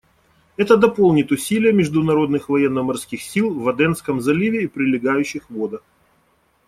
Это дополнит усилия международных военно-морских сил в Аденском заливе и прилегающих водах.